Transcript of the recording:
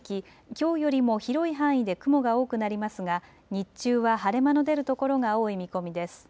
きょうよりも広い範囲で雲が多くなりますが日中は晴れ間の出る所が多い見込みです。